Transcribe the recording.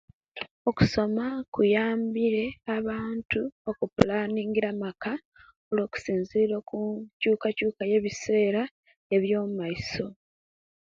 Okusuma kuyambire abaantu okupulaningira amaka olwo okusinzirira ku nchukachuka eye bisera ebyomaiso